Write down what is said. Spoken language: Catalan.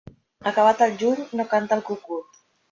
Acabat el juny, no canta el cucut.